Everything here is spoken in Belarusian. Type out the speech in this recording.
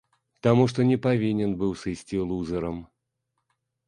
Таму што не павінен быў сысці лузэрам.